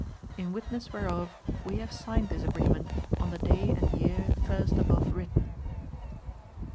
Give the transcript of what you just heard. IN WITNESS WHEREOF we have signed this agreement on the day and year first above written.